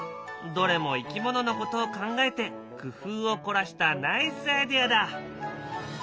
どれもいきもののことを考えて工夫をこらしたナイスアイデアだ。